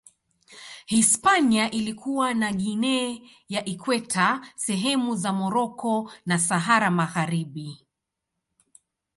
Hispania ilikuwa na Guinea ya Ikweta, sehemu za Moroko na Sahara Magharibi.